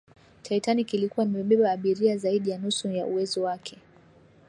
titanic ilikuwa imebeba abiria zaidi ya nusu ya uwezo wake